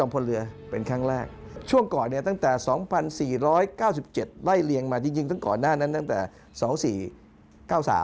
เก้าสาปที่ท่านโดยมาแล้ว